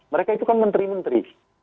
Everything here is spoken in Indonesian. mereka itu kan menteri menteri